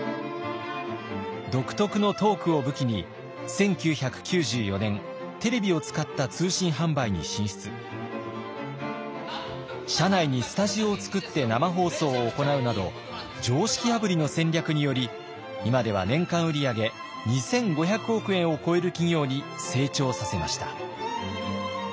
独特のトークを武器に社内にスタジオを作って生放送を行うなど常識破りの戦略により今では年間売り上げ２，５００億円を超える企業に成長させました。